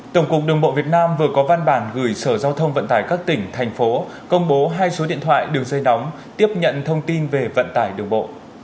tổng cục đường bộ việt nam vừa có văn bản gửi sở giao thông vận tải các tỉnh thành phố công bố hai số điện thoại đường dây nóng tiếp nhận thông tin về vận tải đường bộ